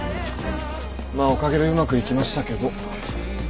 まあおかげでうまくいきましたけど。